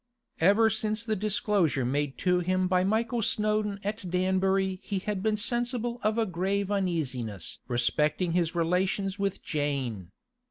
Ever since the disclosure made to him by Michael Snowdon at Danbury he had been sensible of a grave uneasiness respecting his relations with Jane.